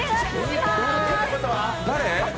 誰？